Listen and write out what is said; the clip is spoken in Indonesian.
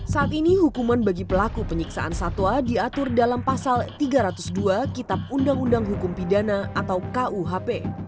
saat ini hukuman bagi pelaku penyiksaan satwa diatur dalam pasal tiga ratus dua kitab undang undang hukum pidana atau kuhp